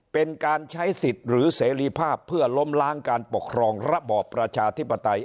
เป็นการใช้สิทธิ์หรือเสรีภาพเพื่อล้มล้างการปกครองระบอบประชาธิปไตย